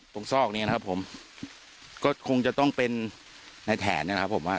ซอกนี้นะครับผมก็คงจะต้องเป็นในแผนนะครับผมว่า